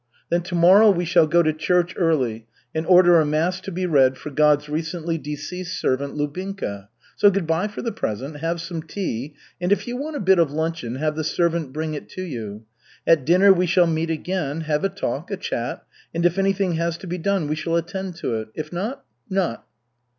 "Then tomorrow we shall go to church early and order a mass to be read for God's recently deceased servant Lubinka. So good by for the present. Have some tea, and if you want a bit of luncheon, have the servant bring it to you. At dinner we shall meet again, have a talk, a chat. And if anything has to be done, we shall attend to it, if not not."